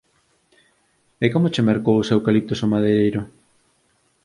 A como che mercou os eucaliptos o madeireiro?